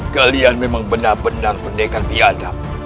kalian memang benar benar pendekat biadab